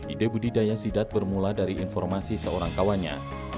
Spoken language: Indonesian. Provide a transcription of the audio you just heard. ide budidaya sidat bermula dari informasi seorang kawannya